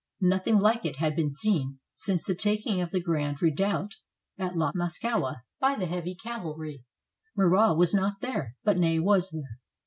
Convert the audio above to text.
Nothing like it had been seen since the taking of the grand redoubt at La Moscowa, by the heavy cavalry; Murat was not there, but Ney was there.